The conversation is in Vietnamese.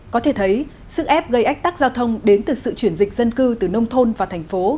có thể thấy sức ép gây ách tắc giao thông đến từ sự chuyển dịch dân cư từ nông thôn và thành phố